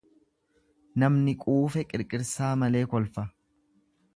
Namni quufe qirqirsaa malee kolfa.